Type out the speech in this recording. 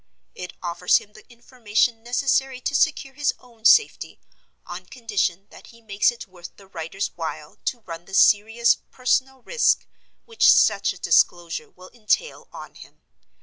It offers him the information necessary to secure his own safety, on condition that he makes it worth the writer's while to run the serious personal risk which such a disclosure will entail on him.